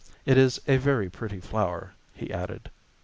It is a very pretty flower," he added.